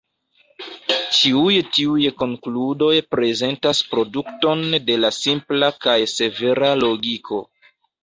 Ĉiuj tiuj konkludoj prezentas produkton de la simpla kaj severa logiko.